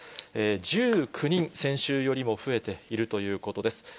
１９人、先週よりも増えているということです。